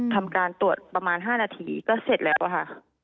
ทำการตรวจประมาณ๕นาทีก็เสร็จแล้วค่ะ